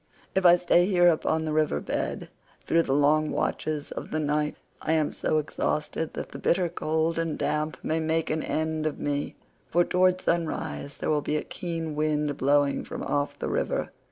If I stay here upon the river bed through the long watches of the night, I am so exhausted that the bitter cold and damp may make an end of me—for towards sunrise there will be a keen wind blowing from off the river.